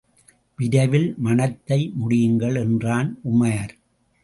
விரைவில் மணத்தை முடியுங்கள்! என்றான் உமார்.